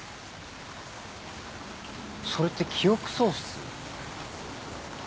それって記憶喪失？